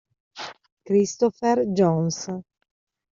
Christopher Jones